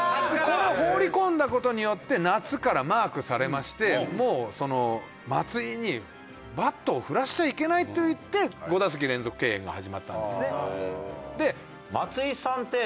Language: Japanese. これを放り込んだ事によって夏からマークされましてもう松井にバットを振らせちゃいけないといって５打席連続敬遠が始まったんですね。